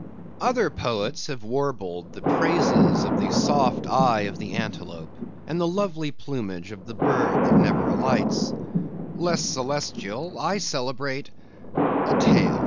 Other poets have warbled the praises of the soft eye of the antelope, and the lovely plumage of the bird that never alights; less celestial, I celebrate a tail.